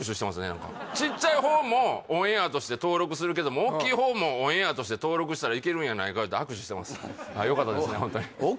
何かちっちゃい方もオンエアとして登録するけども大きい方もオンエアとして登録したらいけるんやないか言うて握手してますよかったですね